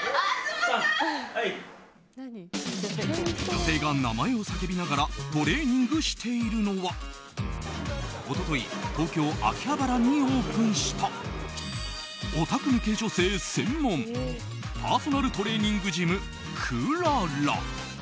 女性が名前を叫びながらトレーニングしているのは一昨日東京・秋葉原にオープンしたお宅向け女性専門パーソナルトレーニングジムＣｌａｒａ。